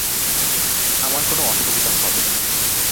আমার কোনো অসুবিধা হবে না।